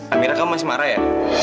amira kamu masih marah ya